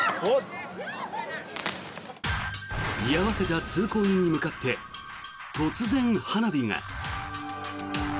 居合わせた通行人に向かって突然、花火が。